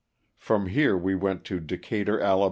From here we went to Decatur, Ala.